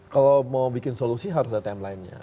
kalau mau bikin solusi harus ada timelinenya